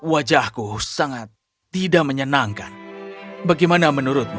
wajahku sangat tidak menyenangkan bagaimana menurutmu